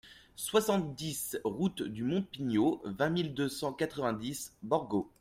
soixante-dix route du Monte Pigno, vingt mille deux cent quatre-vingt-dix Borgo